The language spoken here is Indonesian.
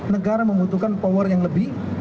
negara membutuhkan power yang lebih